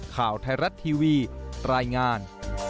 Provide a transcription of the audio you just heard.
ข่าวไทยรัฐทีวีรายงาน